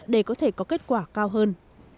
để có thể có kết quả cao hơn